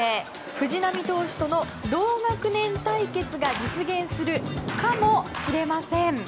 藤浪投手との同学年対決が実現するかもしれません。